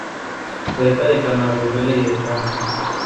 Վեպը էկրանավորվել է երկու անգամ։